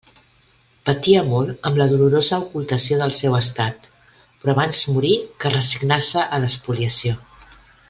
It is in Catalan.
Patia molt amb la dolorosa ocultació del seu estat; però abans morir que resignar-se a l'espoliació.